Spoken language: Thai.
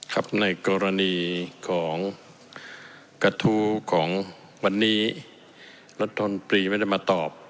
ครับในกรณีของกระทู้ของวันนี้รัฐมนตรีไม่ได้มาตอบ